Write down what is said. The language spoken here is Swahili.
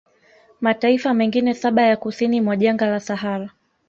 mataifa mengine saba ya kusini mwa jangwa la Sahara